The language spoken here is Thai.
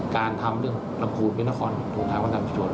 การทำเรื่องลำคูตเวียนทะคอนถูกท้ายความจำจุด